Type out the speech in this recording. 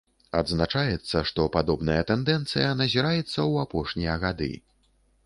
Адзначаецца, што падобная тэндэнцыя назіраецца ў апошнія гады.